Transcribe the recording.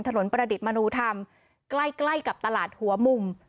ถนนประดิษฐ์มนูธรรมใกล้กับตลาดหัวมุม